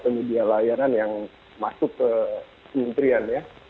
penyedia layanan yang masuk ke kementerian ya